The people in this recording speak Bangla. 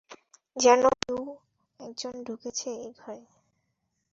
যেন কেউ-একজন ঢুকেছে এ ঘরে।